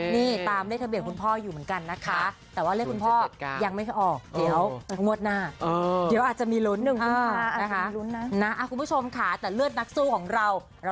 นี่ตามเลขภาพของคุณพ่ออยู่เหมือนกันนะคะ